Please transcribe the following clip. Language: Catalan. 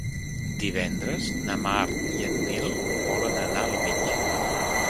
Divendres na Mar i en Nil volen anar al metge.